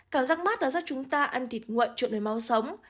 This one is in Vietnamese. cảm giác mát đã giúp chúng ta ăn thịt nguội trộn đầy máu sống